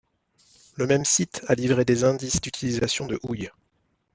Le même site a livré des indices d'utilisation de houille.